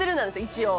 一応。